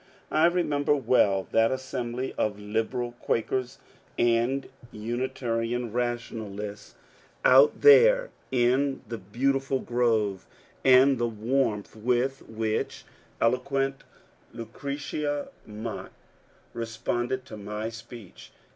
I remember well that assembly of liberal Quakers and Unitarian rationalists THE ASSAULT ON SUMNER 237 out there in the beautiful grove, and the warmth with which eloquent Lueretia Mott responded to my speech.